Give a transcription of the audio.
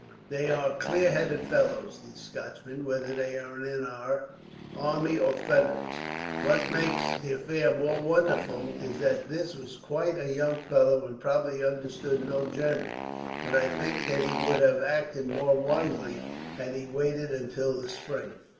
"They are clear headed fellows, these Scotchmen; whether they are in our army or Frederick's. What makes the affair more wonderful is that this was quite a young fellow, and probably understood no German; but I think that he would have acted more wisely, had he waited until the spring."